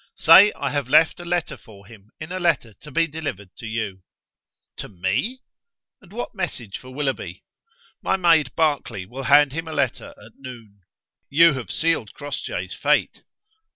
"Say I have left a letter for him in a letter to be delivered to you." "To me! And what message for Willoughby?" "My maid Barclay will hand him a letter at noon." "You have sealed Crossjay's fate."